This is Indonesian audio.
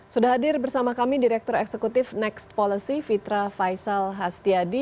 sudah hadir bersama kami direktur eksekutif next policy fitra faisal hastiadi